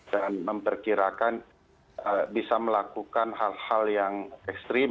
dan memperkirakan bisa melakukan hal hal yang ekstrim ya